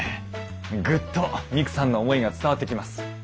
グッとミクさんの思いが伝わってきます。